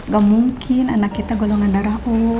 gak mungkin anak kita golongan darah o